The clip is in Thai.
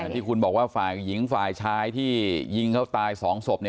ที่คุณบอกว่าฝ่ายหญิงฝ่ายชายที่ยิงเขาตาย๒ศพ